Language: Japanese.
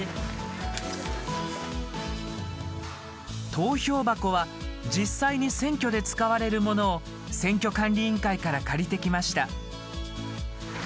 投票箱は実際に選挙で使われるものを選挙管理委員会から借りてきました。